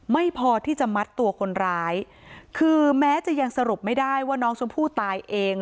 ไม่พอที่จะมัดตัวคนร้ายคือแม้จะยังสรุปไม่ได้ว่าน้องชมพู่ตายเอง